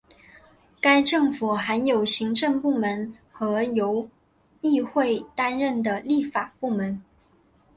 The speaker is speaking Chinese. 该政府含有行政部门和由议会担任的立法部门。